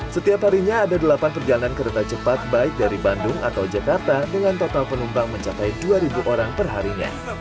setiap harinya ada delapan perjalanan kereta cepat baik dari bandung atau jakarta dengan total penumpang mencapai dua orang perharinya